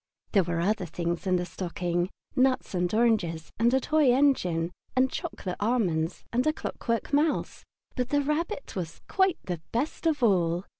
There were other things in the stocking, nuts and oranges and a toy engine, and chocolate almonds and a clockwork mouse, but the Rabbit was quite the best of all.